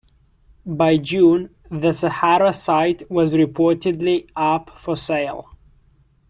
By June, the Sahara site was reportedly up for sale.